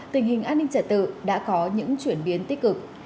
tình hình an ninh trả tự đã có những chuyển biến tích cực